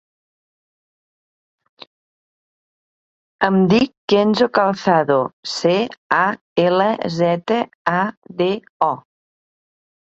Em dic Kenzo Calzado: ce, a, ela, zeta, a, de, o.